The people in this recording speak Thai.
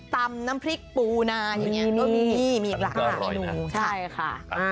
ตำน้ำพริกปูนาอย่างงี้มีมีมีใช่ค่ะ